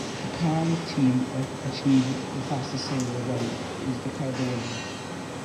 The car and team that achieve the fastest single run is declared the winner.